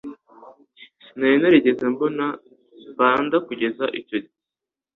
Sinari narigeze mbona panda kugeza icyo gihe.